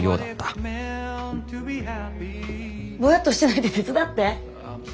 ぼやっとしてないで手伝って。